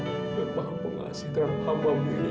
dan maha pengasih terhadap hambamu ini